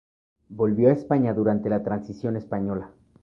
Volvió a España durante la Transición Española.